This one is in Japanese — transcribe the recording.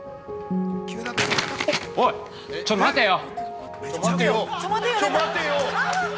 おい、ちょ待てよ！